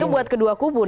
itu buat kedua kubu dong